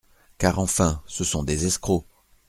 Car enfin, ce sont des escrocs…